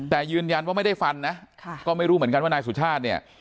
แต่ยืนยันว่าไม่ได้ฟันนะก็ไม่รู้เหมือนกันว่านายสุชาติเนี่ย